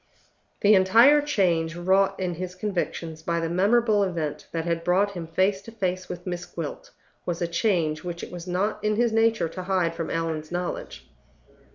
The entire change wrought in his convictions by the memorable event that had brought him face to face with Miss Gwilt was a change which it was not in his nature to hide from Allan's knowledge.